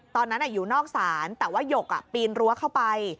ตอนนั้นอยู่นอกศาลแต่ว่าหยกปีนรั้วเข้าไป